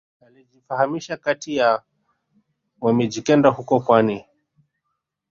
Alijifahamisha kati ya wa mijikenda huko pwani